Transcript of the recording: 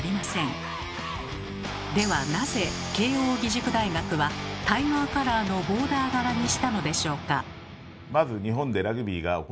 ではなぜ慶應義塾大学はタイガーカラーのボーダー柄にしたのでしょうか？